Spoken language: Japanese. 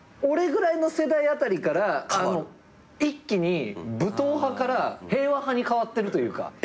俺ぐらいの世代辺りから一気に武闘派から平和派に変わってるというか。